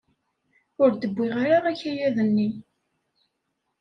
Ur d-wwiɣ ara akayad-nni.